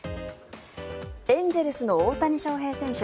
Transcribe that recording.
エンゼルスの大谷翔平選手